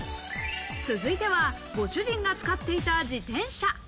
続いてはご主人が使っていた自転車。